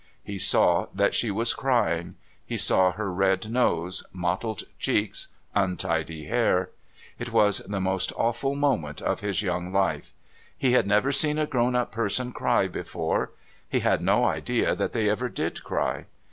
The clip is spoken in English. He saw that she was crying; he saw her red nose, mottled cheeks, untidy hair. It was the most awful moment of his young life. He had never seen a grown up person cry before; he had no idea that they ever did cry.